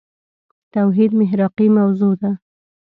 توحيد محراقي موضوع ده.